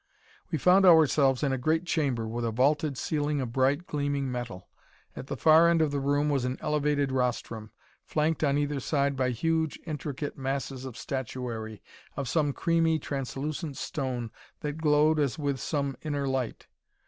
We found ourselves in a great chamber with a vaulted ceiling of bright, gleaming metal. At the far end of the room was an elevated rostrum, flanked on either side by huge, intricate masses of statuary, of some creamy, translucent stone that glowed as with some inner light.